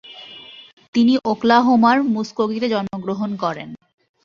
তিনি ওকলাহোমার মুসকোগিতে জন্মগ্রহণ করেন।